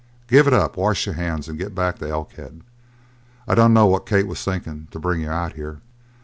Give it up, wash your hands, and git back to Elkhead. I dunno what Kate was thinkin' of to bring you out here!"